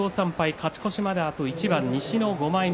勝ち越しまであと一番西の５枚目。